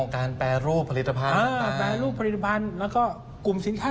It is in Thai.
แปรรูปผลิตภัณฑ์การแปรรูปผลิตภัณฑ์แล้วก็กลุ่มสินค้า